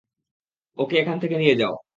ওকে এখান থেকে নিয়ে যাও।